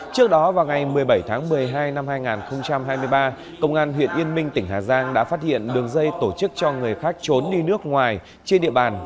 trước đó vào ngày một mươi bảy tháng một mươi hai năm hai nghìn hai mươi ba công an huyện yên minh tỉnh hà giang đã phát hiện đường dây tổ chức cho người khác trốn đi nước ngoài trên địa bàn